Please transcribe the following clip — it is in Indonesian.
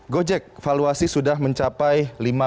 gojek valuasi sudah mencapai